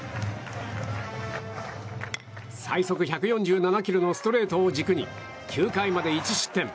最速１４７キロのストレートを軸に９回まで１失点。